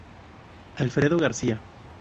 Alfredo García.